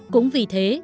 cũng vì thế